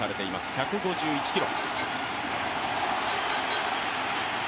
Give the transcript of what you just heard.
１５１キロ。